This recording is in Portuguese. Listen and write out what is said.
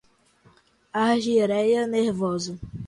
argyreia nervosa